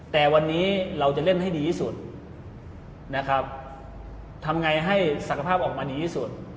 แต่วันนี้เราจะเล่นให้ดีที่สุดนะครับทำไงให้ศักภาพออกมาดีที่สุด